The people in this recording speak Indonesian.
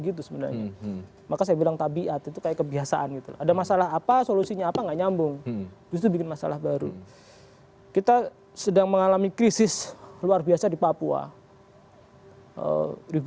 dari dari dari dari dari dari dari dari dari dari dari dari dari dari dari diantre